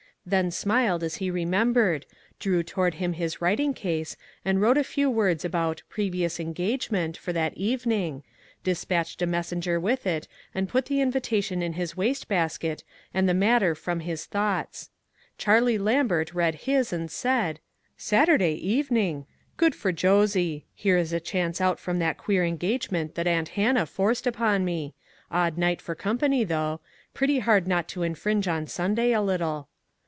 Then smiled as he re membered, drew toward him his writing case and wrote a few words about "previous en gagement," for that evening, dispatched a mes senger with it and put the invitation in his waste basket and the matter from his thoughts. Charlie Lambert read his and said: " Saturday evening ! Good for Josie ! Here is a chance out from that queer engagement that aunt Hannah forced upon me. Odd night for company, though. Pretty hard not to infringe on Sunday a little."